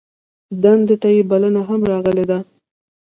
دندې ته یې بلنه هم راغلې ده.